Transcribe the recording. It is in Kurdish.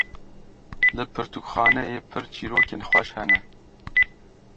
Li pirtûkxaneyê pir çîrokên xweş hene.